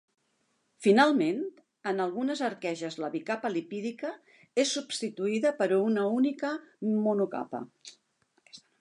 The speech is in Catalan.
Finalment, en algunes arqueges la bicapa lipídica és substituïda per una única monocapa.